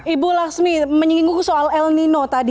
ibu laksmi menyinggung soal el nino tadi